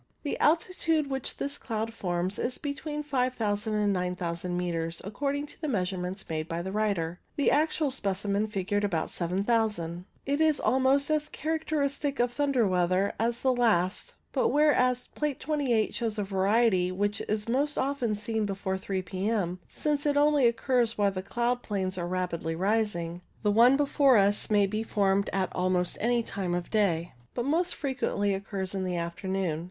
The altitude at which this cloud forms is between 5000 and 9000 metres, according to measure ments made by the writer, the actual specimen figured being about 7000. It is almost as charac teristic of thunder weather as the last, but whereas Plate 28 shows a variety which is most often seen before 3 p.m., since it only occurs while the cloud 68 ALTO CLOUDS planes are rapidly rising, the one before us may be formed at almost any time of day, but most frequently occurs in the afternoon.